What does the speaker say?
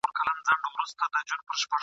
نیمايی ډوډۍ یې نه وه لا خوړلې ..